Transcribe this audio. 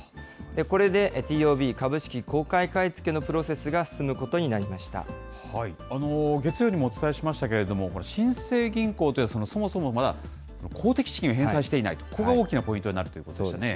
これで、ＴＯＢ・株式公開買い付けのプロセスが進むことになりま月曜にもお伝えしましたけれども、新生銀行とは、そもそもまだ、公的資金を返済していない、ここが大きなポイントになっているということでしたね。